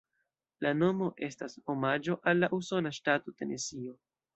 La nomo estas omaĝo al la usona ŝtato Tenesio.